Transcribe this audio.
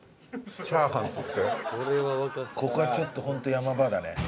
ここはちょっとホント山場だね。